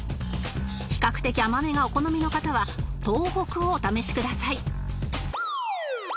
比較的甘めがお好みの方は東北をお試しください